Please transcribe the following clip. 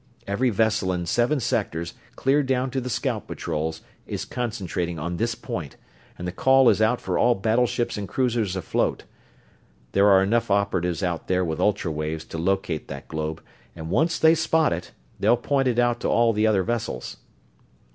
Every vessel in seven sectors, clear down to the scout patrols, is concentrating on this point, and the call is out for all battleships and cruisers afloat. There are enough operatives out there with ultra waves to locate that globe, and once they spot it they'll point it out to all the other vessels."